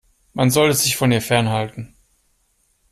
Man sollte sich von ihr fernhalten.